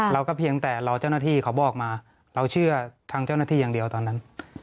เพียงแต่เราเจ้าหน้าที่เขาบอกมาเราเชื่อทางเจ้าหน้าที่อย่างเดียวตอนนั้น